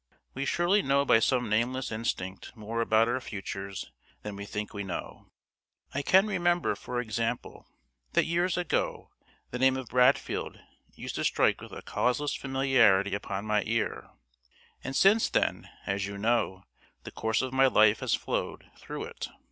We surely know by some nameless instinct more about our futures than we think we know. I can remember, for example, that years ago the name of Bradfield used to strike with a causeless familiarity upon my ear; and since then, as you know, the course of my life has flowed through it.